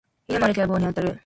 犬も歩けば棒に当たる